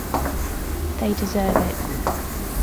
They deserve it.